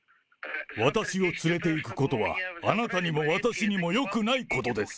私を連れていくことは、あなたにも私にもよくないことです。